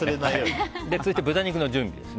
続いて、豚肉の準備です。